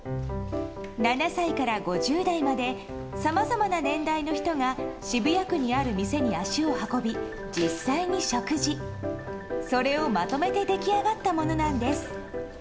７歳から５０代までさまざまな年代の人が渋谷区にある店に足を運び実際に食事、それをまとめて出来上がったものなんです。